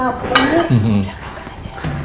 udah makan aja